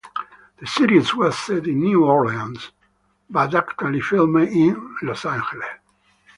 The series was set in New Orleans, but actually filmed in Los Angeles.